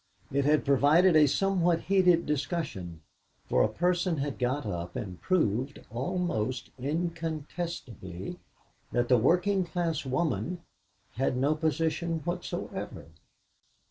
It had provided a somewhat heated discussion, for a person had got up and proved almost incontestably that the working class woman had no position whatsoever.